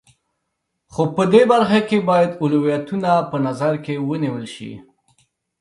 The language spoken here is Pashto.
خو په دې برخه کې باید اولویتونه په نظر کې ونیول شي.